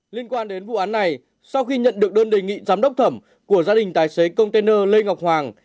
liên quan đến vụ án này sau khi nhận được đơn đề nghị giám đốc thẩm của gia đình tài xế container lê ngọc hoàng